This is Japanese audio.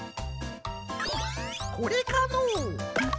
これかのう？